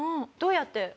どうやって？